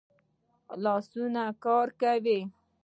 لاسونه کار کوي